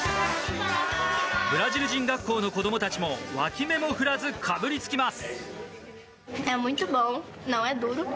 ブラジル人学校の子供たちも脇目も振らず、かぶりつきます。